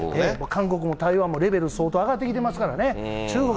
韓国も台湾も相当レベル上がってきてますからね。